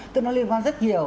tức nó liên quan rất nhiều